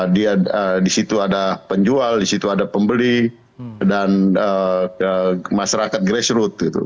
dia di situ ada penjual di situ ada pembeli dan masyarakat grassroot gitu